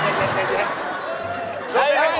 ถ้าเป็นปากถ้าเป็นปาก